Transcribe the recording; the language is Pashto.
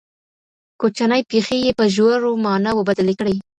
کوچنۍ پېښې یې په ژورو معناوو بدلې کړې.